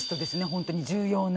本当に重要な。